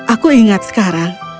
aku ingat sekarang